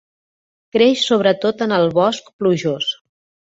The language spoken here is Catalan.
Creix sobretot en el bosc plujós.